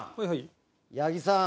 八木さん